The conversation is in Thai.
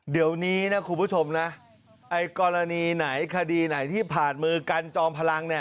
เดี๋ยวนี้นะคุณผู้ชมนะไอ้กรณีไหนคดีไหนที่ผ่านมือกันจอมพลัง